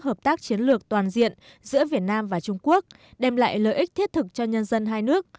hợp tác chiến lược toàn diện giữa việt nam và trung quốc đem lại lợi ích thiết thực cho nhân dân hai nước